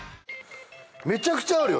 めちゃくちゃあるよ